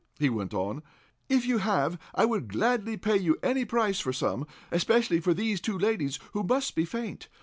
he went on. "If you have, I will gladly pay you any price for some, especially for these two ladies, who must be faint.